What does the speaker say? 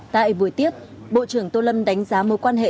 tại buổi tiếp bộ trưởng tô lâm đánh giá mối quan hệ